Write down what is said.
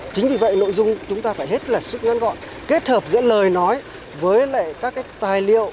chính vì vậy nội dung chúng ta phải hết là sức ngắn gọn kết hợp giữa lời nói với lại các cái tài liệu